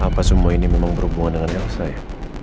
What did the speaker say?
apa semua ini memang berhubungan dengan elsa ya